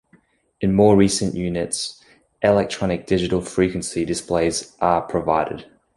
In more recent units, electronic digital frequency displays are provided.